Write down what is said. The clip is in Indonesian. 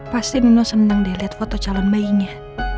pasti nino seneng deh liat foto calon bayinya